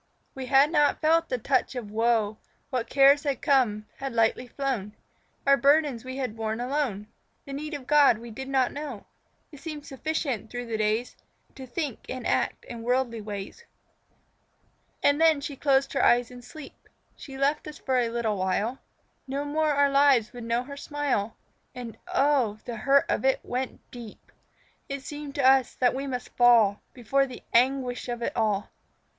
We had not felt the touch of woe; What cares had come, had lightly flown; Our burdens we had borne alone The need of God we did not know. It seemed sufficient through the days To think and act in worldly ways. And then she closed her eyes in sleep; She left us for a little while; No more our lives would know her smile. And oh, the hurt of it went deep! It seemed to us that we must fall Before the anguish of it all.